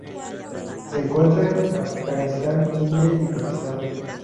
Se encuentra en Afganistán, India y Pakistán.